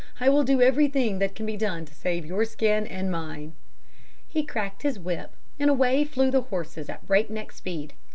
'I will do everything that can be done to save your skin and mine.' He cracked his whip, and away flew the horses at a breakneck speed.